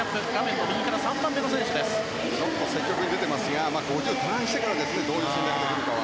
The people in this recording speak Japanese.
積極的に出ていますが５０をターンしてからですねどういう戦略でくるのかは。